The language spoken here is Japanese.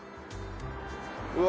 うわ。